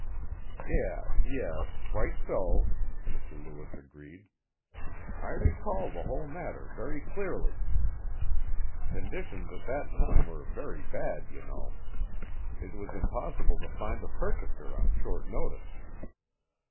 "Yes, yes. Quite so," Mr. Lewis agreed. "I recall the whole matter very clearly. Conditions at that time were very bad, you know. It was impossible to find a purchaser on short notice.